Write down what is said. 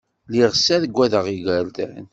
Lliɣ ssagadeɣ igerdan.